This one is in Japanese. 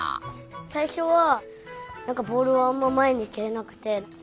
最初はなんかボールをあんままえにけれなくて。